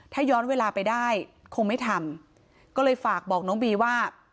ถ้าย้อนเวลาไปได้คงไม่ทำก็เลยฝากบอกน้องบีว่า